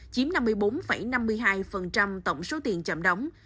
chiếm năm mươi bốn năm mươi hai tổng số tiền chậm đóng